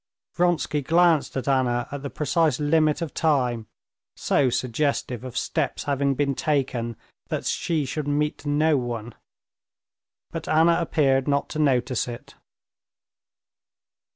Vronsky glanced at Anna at the precise limit of time, so suggestive of steps having been taken that she should meet no one; but Anna appeared not to notice it.